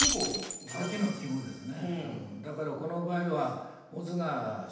秋の季語ですね。